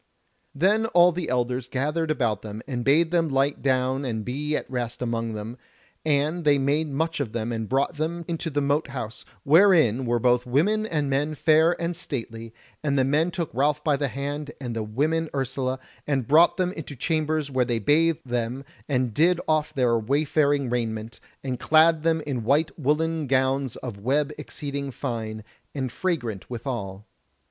Then all the elders gathered about them, and bade them light down and be at rest amongst them, and they made much of them and brought them into the Mote house, where in were both women and men fair and stately, and the men took Ralph by the hand and the women Ursula, and brought them into chambers where they bathed them and did off their wayfaring raiment, and clad them in white woollen gowns of web exceeding fine, and fragrant withal.